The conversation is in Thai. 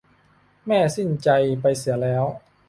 แม่สิ้นใจไปเสียแล้ว